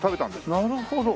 なるほど。